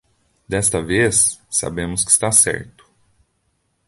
Desta vez, sabemos que está certo.